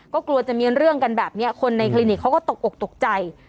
ก็กลัวจะมีเรื่องกันแบบนี้คนในคลินิกเขาก็ตกอกตกใจ